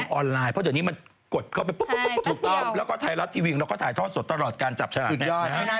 ก็เลยไม่รู้ว่าเออหวยออกต้องรีบตรวจอะไรแบบนี้